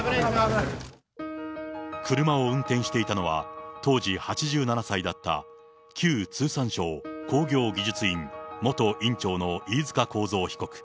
車を運転していたのは、当時８７歳だった旧通産省工業技術院元院長の飯塚幸三被告。